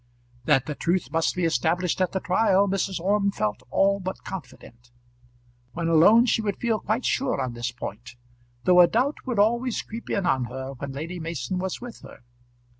That the truth must be established at the trial Mrs. Orme felt all but confident. When alone she would feel quite sure on this point, though a doubt would always creep in on her when Lady Mason was with her.